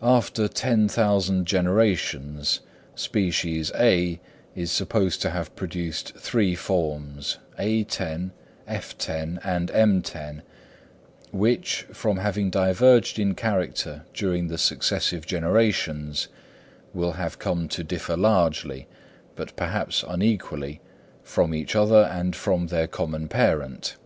After ten thousand generations, species (A) is supposed to have produced three forms, _a_10, _f_10, and _m_10, which, from having diverged in character during the successive generations, will have come to differ largely, but perhaps unequally, from each other and from their common parent.